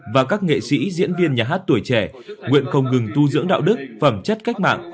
và các nghệ sĩ diễn viên nhà hát tuổi trẻ nguyện không ngừng tu dưỡng đạo đức phẩm chất cách mạng